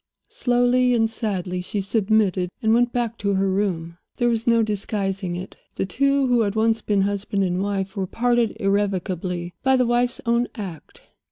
Slowly and sadly she submitted, and went back to her room. There was no disguising it; the two who had once been husband and wife were parted irrevocably by the wife's own act.